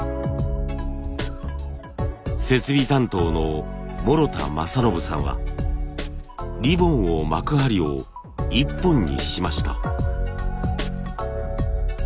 設備担当の師田雅伸さんはリボンを巻く針を１本にしました。